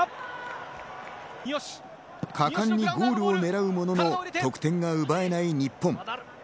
前果敢にゴールを狙うものの得点が奪えない日本。